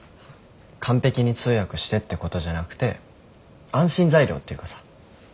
完璧に通訳してってことじゃなくて安心材料っていうかさ。